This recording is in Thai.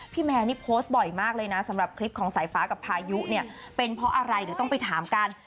แมนนี่โพสต์บ่อยมากเลยนะสำหรับคลิปของสายฟ้ากับพายุเนี่ยเป็นเพราะอะไรเดี๋ยวต้องไปถามกัน